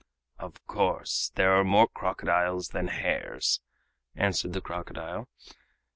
"Of course, there are more crocodiles than hares," answered the crocodile.